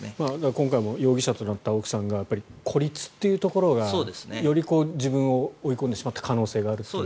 今回も容疑者となった奥さんが孤立というところがより自分を追い込んでしまった可能性が。